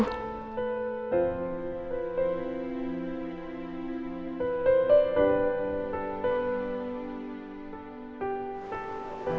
apalagi saatmu masih duduk di sini